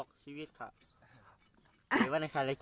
ครับ